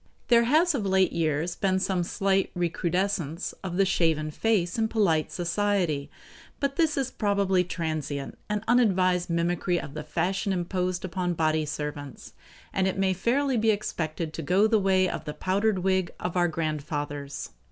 There has of late years been some slight recrudescence of the shaven face in polite society, but this is probably a transient and unadvised mimicry of the fashion imposed upon body servants, and it may fairly be expected to go the way of the powdered wig of our grandfathers.